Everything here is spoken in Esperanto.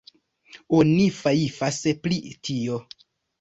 Oni fajfas pri tio.